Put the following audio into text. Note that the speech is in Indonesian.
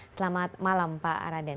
selamat malam pak araden